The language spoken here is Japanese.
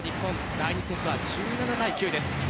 第２セットは１７対９です。